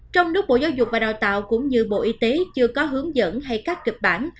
trong lúc bộ giáo dục và đào tạo cũng như bộ y tế chưa có hướng dẫn hay các kịch bản